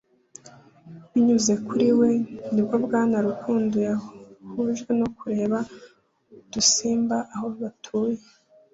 Binyuze kuri we ni bwo Bwana Rukundo yahujwe no kureba udusimba aho batuye